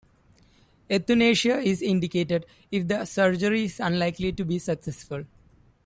Euthanasia is indicated if the surgery is unlikely to be successful.